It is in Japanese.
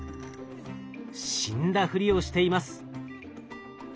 死んだふりをしています。